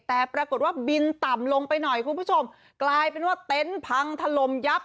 แต่ปรากฏว่าบินต่ำลงไปหน่อยคุณผู้ชมกลายเป็นว่าเต็นต์พังถล่มยับ